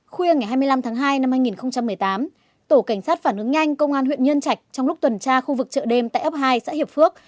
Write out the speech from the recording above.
khuya ngày hai mươi năm tháng hai năm hai nghìn một mươi tám tổ cảnh sát phản ứng nhanh công an huyện nhân trạch trong lúc tuần tra khu vực chợ đêm tại ấp hai xã hiệp phước